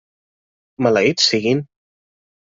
Maleïts siguin!